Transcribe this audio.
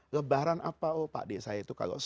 lebaran apa oh pakde saya itu